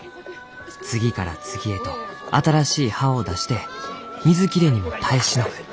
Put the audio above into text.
次から次へと新しい葉を出して水切れにも耐え忍ぶ」。